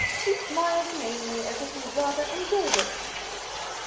He smiled inanely, as if he rather enjoyed it.